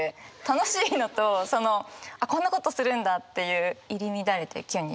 楽しいのとこんなことするんだっていう入り乱れてキュン